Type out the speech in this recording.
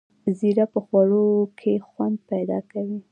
زیره په خوړو کې خوند پیدا کوي